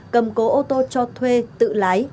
cầm cố ô tô cho thuê tự lái